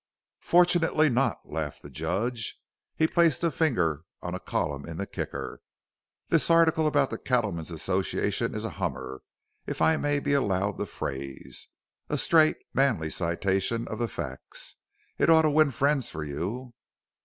"Fortunately not," laughed the judge. He placed a finger on a column in the Kicker. "This article about the Cattlemen's Association is a hummer if I may be allowed the phrase. A straight, manly citation of the facts. It ought to win friends for you."